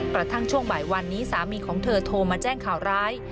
กระทั่งช่วงบ่ายวันนี้สามีของเธอโทรมาแจ้งข่าวร้าย